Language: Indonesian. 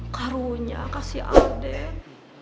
karunya kasih adek